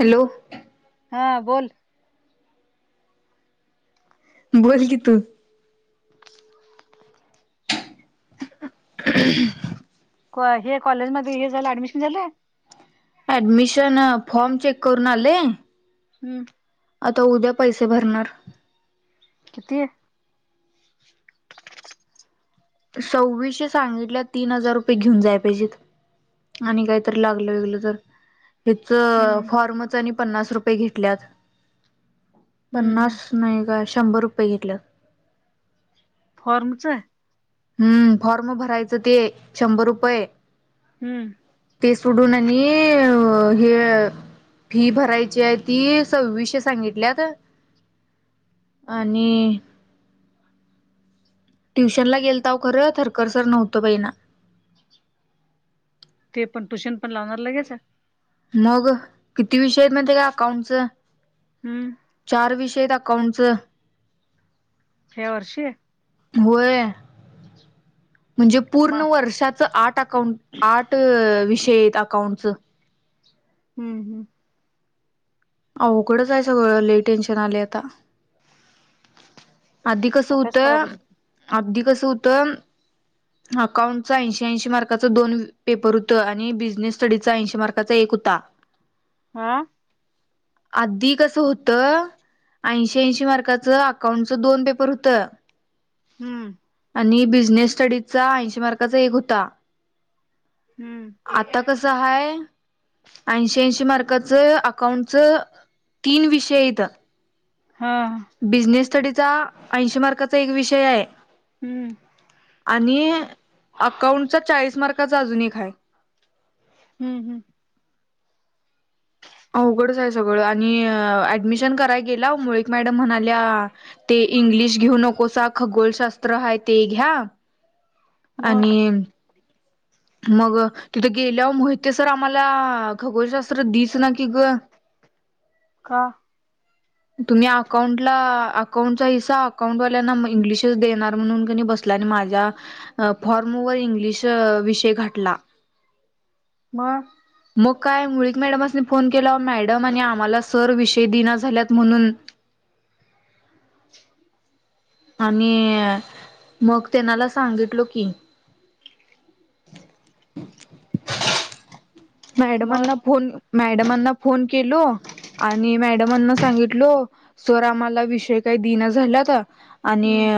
Hello. हा बोल. बोल की तू. [unintelligible] कॉ हे कॉलेज मध्ये हे झालं ऍडमिशन झालं. ऍडमिशन फॉर्म चेक करून आले हम्म. आता उद्या पैसे भरणार. किती? सव्वीसशे सांगितल्यात तीन हजार रुपये घेऊन जाय पाहिजेत. आणि काहीतरी लागलं बिगल तर. हम्म त्याच फॉर्मच आणि पन्नास रुपये घेतल्यात. हम्म हम्म पन्नास नाही ग शंभर रुपये घेतलं. फर्मचे? हम्म फॉर्म भरायचं ते शंभर रुपये हम्म. ते सोडून आणि हे फी भरायची आहे ती सव्वीशे सांगितल्यात आणि ट्युशन ला गेल ताव खरं थरकर सर नव्हतं बहिना. तेपण पण ट्युशन पण लावणार लगेच? मग किती विषय हाईत माहिते का अकाउंटचं हम्म चार विषय ये अ काउंटच. ह्या वर्षी? होय. म्हणजे म पूर्ण वर्षाचं आठ अकाउंट आठ विषय येत अकाउंटचं. हम्म हम्म. आवघडच हाय सगळं लय टेन्शन आलय आता. आधी कस अभ्यास होत कराय पाहिजे आब्धी कस होत अकाउंट चा ऐशी ऐंशी मार्काचं दोन पेपर हुतं आणि बिझनेस स्टडीचा ऐशी मार्काचा एक हु ता. आं. आधी कसं होतं ऐंशी ऐंशी मार्काचं अकाउंटच दोन पेपर होतं हम्म. आणि बिझनेस स्टडीजचा ऐंशी मार्काचा एक होता. हम्म आता कस आहे ऐंशी ऐंशी मार्क अकाउंट च तीन विषय येतं हा बिझनेस स्टडीचा ऐंशी मार्काचा एक विषय आहे. हम्म. आणि अकाउंटचा चाळीस मार्काचा अजून एक आहे. हम्म हम्म. अवघडच आहे सगळं आणि ऍडमिशन कराय गेला मुळीक मॅडम म्हणाल्या ते इंग्लिश घेऊ नकोसा खगोलशास्त्र आहे ते घ्या. मग आणि मग तिथे गेल्यावर मोहिते सर आम्हाला खगोलशास्त्र दिस सना कि ग का तुम्ही अकाउंटला अकाउंटचा हिसा अकाउंटवाल्यांना इंग्लिशच देणार म्हणून बसलाय ना माझ्या फॉर्म वर इंग्लिश विषय घटला. म मग काय मुळीक मॅडमसनी फोन केला, मॅडम आणि आम्हाला सर विषय दिना झाल्यात म्हणून. आणि मग त्यांनाला सांगितलो की [inaudible] मग मॅडमांना फोन मॅडमांना फोन केलो आणि मॅडमना सांगित लो सर विषय काही दिन झालाता. आणि हम्म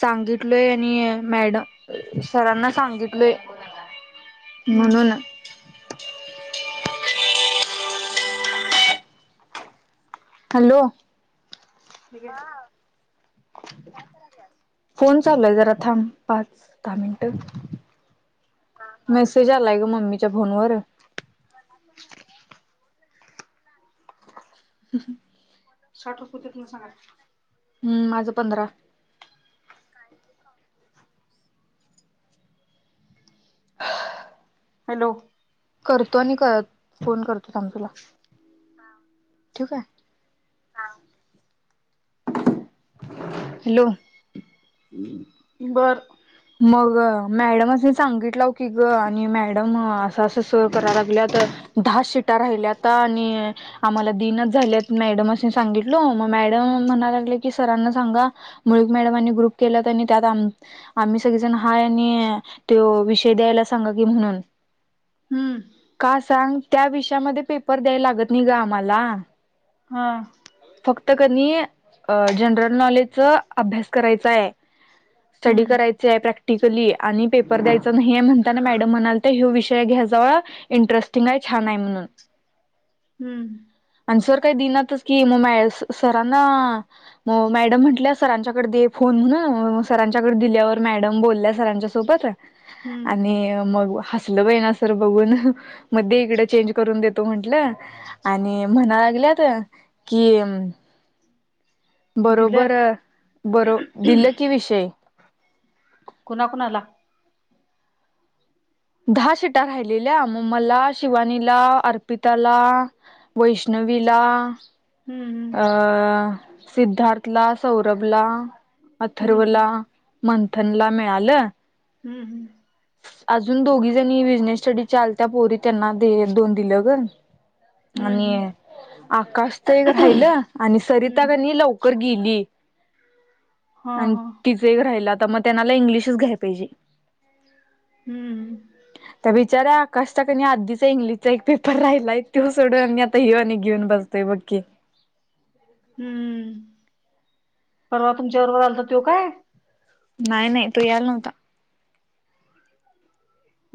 सांगितलय आणि मॅडम सरांना सांगितलय. हम्म बोल ना. हॅलो ठीक आहे फोन चालूय जरा थांब पाच दहा मिनिटं. मेसेज आलाय ग मम्मीच्या फोन वरून. ह [inaudible] हम्म माझं पंधरा. [inaudible] हॅलो करतो आणि करत फोन करतो थांब तुला. ठीक आहे हॅलो बरं मग मॅडमचनी सांगितलं हो की ग आणि मॅडम असं असं सर करा लागल्या तर. दहा सिटा राहिल्या आता आणि आम्हाला दिनच झाल्यात मॅडम सांगितल मग मॅडम. म्हणायला लागले की, सरांना सांगा मोहित मॅडम आणि ग्रुप केलाय त्यात आम्ह. आम्ही सगळेजण हाय आणि तो विषय द्यायला सांगा की म्हणून. हम्म हा सांग त्या विषयामध्ये पेपर द्याय लागत नाही गं आम्हाला. हा फक्त कनी जनरल नॉलेज च अभ्यास करायचा आहे स्टडी हम्म करायच आहे प्रॅक्ट. प्रॅक्टिकली आणि पेपर द्यायच नाहीये म्हणता. मॅडम म्हण्यालत्या तो विषय घे जो, इंटरेस्टिंग आहे, छान आहे म्हणून. हम्म आणि सर काही दिनाच की मग म सरांना मग मॅडम म्हंटल्या सरांच्याकडे दे फोन. सरांच्याकडे दिल्यावर मॅडम बोलल्या सरांच्या सोबत हम्म आणि मग हसलं बायिना सर बघून मग दे इकड चेंज करून देतो म्हटलं आणि म्हणा लागल्यात कि बरोबर दिलं बरो दिलं की विषय कुणाकुणाला दहा सीट राहिलेल्या मग मला शिवानीला अर्पिताला वैष्ण विला हम्म अं सिद्धार्थ ला सौरभला हम्म अथर्वला मंथन ला मिळालं हम्म हम्म अजून दोघी जणी बिझनेस स्टडी चालत पोरी त्यांना दोन दिलं ग हम्म हम्म आणि आकाश तर एक राहिलं आणि सरिता हम्म हम्म. कनी लवकर गेली हा आणि हा तिच एक राहिला आता मग त्यांनाला इंग्लिशच घ्याय पाहिजे हम्म बचार्या आकाशचा कनी आधीचा एक इंग्लिशचा एक पेपर राहिलाय तो सोडून आता हिअनी घेऊन बसतय बघकी ह हम्म परवा तुमच्या बरोबर आलता त्यो काय नाही नाही तो याला नव्हता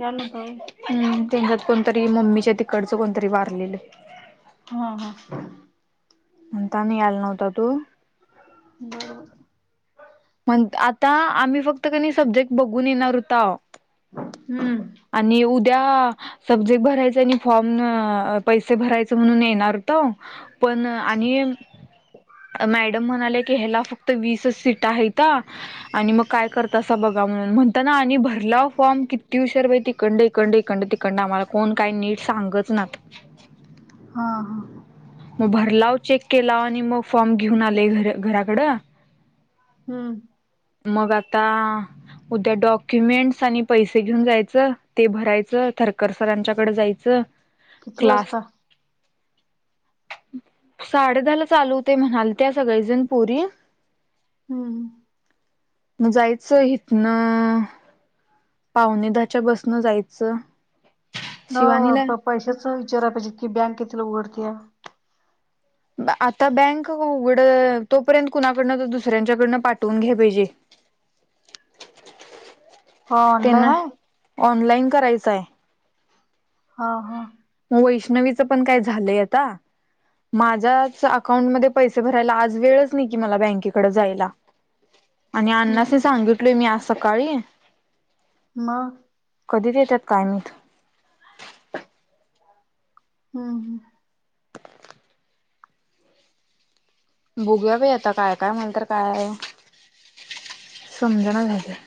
याल नवहता व्हय हम्म त्यांच्यात कोणतरी मम्मीच्या तिकडच कोणतरी वारलेलं हा हा म्हणता नि यायला नव्हता तो बरोबर आता आम्ही फक्त कणी सब्जेक्ट बघून येणार होताव हम्म त्या सब्जेक्ट भरायच आणि फॉर्म पैसे भरायचे म्हणून येणार त पण आणि मॅडम म्हणाले की ह्याला फक्त वीसच सीट आहेत आणि मग काय करतासा बघा म्हणून म्हणताना आणि भरलाव फॉर्म किती उशिर बाई तिकडन इकंड इंड तिकंड आम्हाला कोण काही नीट सांगच ना हा हा मग भरलाव चेक केलाव आणि मग फॉर्म घेऊन आले घराकड हम्म मग आता उद्या डॉक्युमेंटस आणि पैसे घेऊन जायचं ते भरायच थरकर सरांच्याकडे जायचं किती क्लास वाजता साडे दहा ला चालू होतय म्हणालत्या सगळेजण पोरी हम्म मग जायचं हितन पावणे दहाच्या बसनं जायचं शिवानीला न पैशाच विचाराय पाहिजे होत ती बँक कितला उघडतया आता बँक उघड तोपर्यंत कुणाकडनं दुसऱ्यांच्याकडन पाठवून घ्या पाहिजे हो ऑनलाईन आहे ऑनलाइन करायचंय हा हा मग वैष्णवीचं पण काय झालंय आता माझ्याच अकाउंटमध्ये पैसे भरायला आज वेळच नाही की मला बँकेकडे जायला आणि अण्णास हम्म सांगितलोय मी आज सकाळी म कधी देतात काय माहीत हम्म - हम्म बोगूया बाई आता काय-काय म्हं तर काय? संमजना झालंय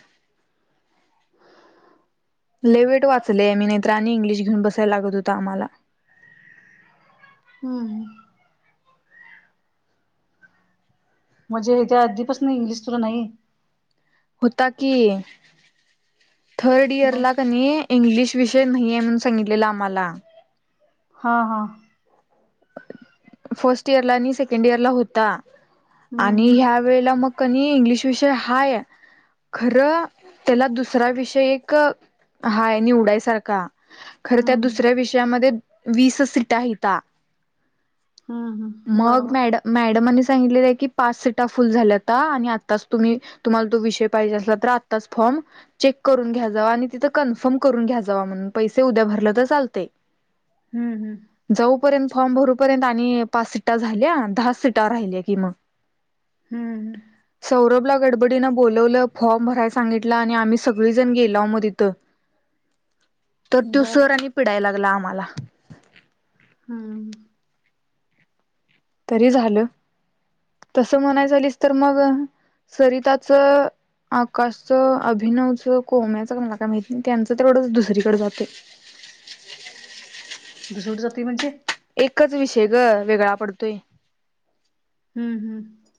[inaudible] लेवेट वाचले आणि नाहीतर आणि इंग्लिश घेऊन बसाय लागत होतं आम्हाला. हम्म म्हणजे हेच्या आधीपासनं इंग्लिश तुला नाही? होता की थर्ड इयर मग ला कनी इंग्लिश विषय नाहीये म्हणून सांगितलेलं आम्हाला. हां-हां फर्स्ट इयरला आणि सेकंड इयरला होता आणि हम्म ह्या वेळला मग कनई इंग्लिश विषय हाय. खरं त्याला दुसरा विषय एक हाय निवडायसारखा. खरं त्या हम्म दुसऱ्या विषयामध्ये वीसच सीटा हायता. हम्म हम्म मग बरोबर. मॅड मॅडमानी स सांगीतलेलं की पाच सीटा फुल झाल्याता आणि आत्ताच तुम्ही तुम्हाला तो विषय पाहिजे असला तर आत्ताच फो अं चेक करून घ्या जावा, आणि तिथं कन्फर्म करून घ्या जावा, म्हणून पैसे उद्या भर तर चालतेय. हम, हम्म. पर्यंत फॉर्म भरूपर्यंत आणि पाच सीटा झाल्या दहाच सीटा राहिल्या कि मग. हम्म हं. सौरभला गडबडीनं बोलावलं फॉर्म भराय सांगितलं आणि आम्ही सगळीजण गेलोव मग तिथं. तर हम्म तो बर. सर आणि पिडाय लागला आम्हाला. हम्म. तरी झालं, तस म्हणाय झालीस तर मग सरिताचं आकाशचं, अभिनवचं कोम्याचं मला काय माहित नाही, त्यांचं तिकडंच दुसरीकडे जातय. [unintelligible] [inaudible] दुसरीकड जातय म्हणजे? एकच विषय ग वेगळा पडतोय. हम्म, हम्म.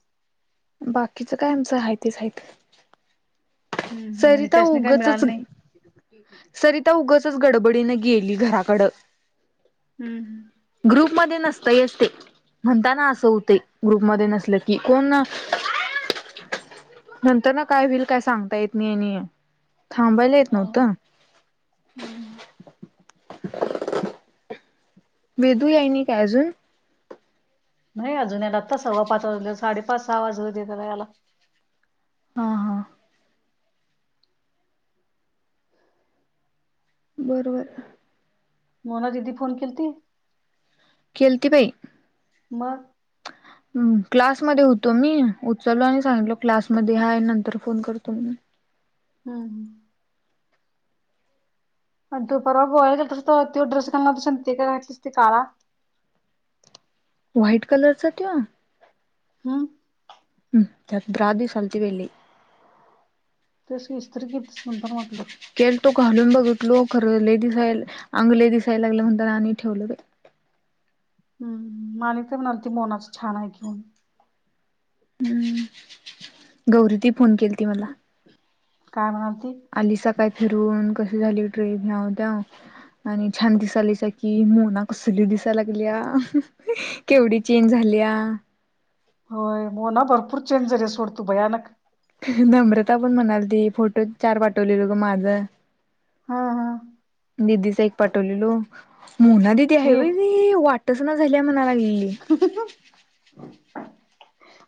बाकीचं काय आमचं आहे तेच हायीत. हम्म हम्म. म्हणजे सरिता त्यासनी काय उगचच मिळालं नाही. सरिता उगचंच गडबडीनें गेली घराकडं हम्म हम्म. ग्रुप मध्ये नसतयच ते, म्हणताना असं होतंय ग्रुपमध्ये नसल की कोण ना नंतर ना काय होईल काय सांगता येत नाही, आणि थांबायला येत हम्म हा नव्हतं? हम्म. वेदू याई नाय काय अजून? नाही अजून याला आत्ता सव्वा पाच वाजलेत, साडेपाच, सहा वाजू देत त्याला यायला. हा. हा. बरोबर. मोना दीदी फोन केलती? केलती बाई मग? अं क्लासमध्ये होतो मी, उचललो आणि सांगितलो क्लासमध्ये हाय, नंतर फोन करतो म्हणून [unintelligible] [inaudible] हं. हं. आणि तो परवा [unintelligible] तो ड्रेस घालणार होतीस आणि तो का ड्रेस घातलीसं काळा व्हाईट कलरचा तो हं हम्, त्यात ब्रा दिसलती बाई लय. तेच की, इस्त्री केलतीस म्हणताना वाटलं ग. केलतो घालून बघितलो, खर लय दिसाय अंग लय दिसायला लागलं म्हणताना आणि ठेवलो. [unintelligible] [inaudible] माणिक पण म्हणालती मोनाच छान हाय कि म्हणुन हम्म, गौरी ती फोन केल ती मला काय म्ह आली सकाळी फिरून, कस झाली ट्रेन ह्यांव त्यांव आणि छान दिसायलासा कि, मोना कसली दिसा लागल्या केवढी चेंज झाल्या त्या होय मो ना भरपूर चेंज झाल्या, सोड तू, भयानक. नम्रता पण म्हणालती, फोटो चार पाठवलेल ग माझं हा. हा. दिदीच एक पाठवलेलो, मोना दिदी आहे शी भा वाटच ना झाली म्हणा लागली हहहह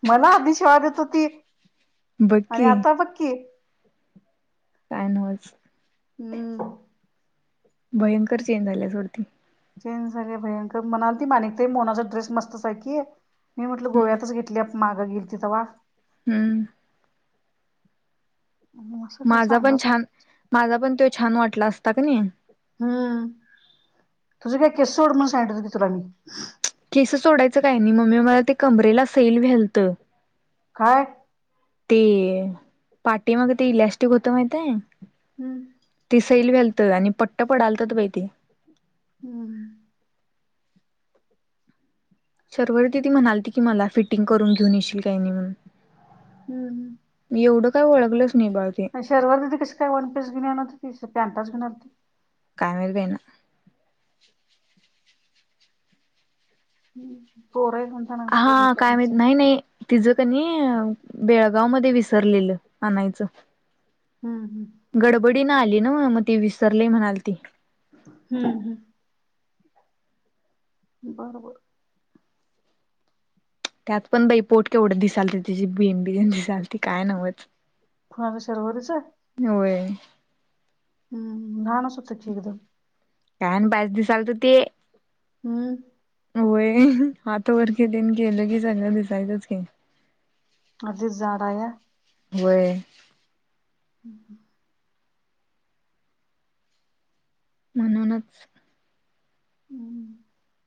मला आधिश वाढत होती बघ आणि की आता बक्की काय नवलच हम्म भयंकर चेंज झाल्या सोडती चेंज झाले भयंकर म्हणाल ती मानिकतय मोनाचा ड्रेस मस्त सारखी आहे. मी म्हटलं गोव्यातच घेतली मागं गेली तिथं वा हम्म असं का माझा पण सांगालती छान माझा पण तो छान वाटला असता का नाही. तु काय केसो उड मन संड क तरणी केस सोडायचं काय नाही मम्मी मला ते कमरेला सैल व्यालत. काय ते पाटी मग ते इलॅस्टिक होतं माहितय हम्म ते सैल वलत आणि पट्ट पडालत बाई ते हम्म शर्वरती ती म्हणालती की मला फिटिंग करून घेऊन येशील काय नाही म्हणून हम्म हम्म मी एवढं काय ळगलं शर्ववर दिी कस काय वन पीस घेणारणार होती ति पॅन्टच घेणार होती कायमरी पईना होोर हा काय मा नाही नाही तिझ कनी बेळगाव मध्ये विसरलेलं आणायचं हम्म हम्म गडबडी ना आली ना मग त विसरले म्हणाल ती हम्म हम्म बरो बर त्यात पण बाई पोट केवढे दिसाल ते त्याची बिनबिज दिसाल त काय नव्हत. कूणां शर्वररीच आहे. होय हम्म जाण सुतचीकत कायण पाच दिस आलत ते हम्म होय आातवररखतीन केलं की चांगलं दिसायचंच. अध जाड या वर हम् ह म्हणूनच हम्म [unintelligible]